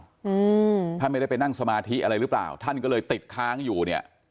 อืมท่านไม่ได้ไปนั่งสมาธิอะไรหรือเปล่าท่านก็เลยติดค้างอยู่เนี่ย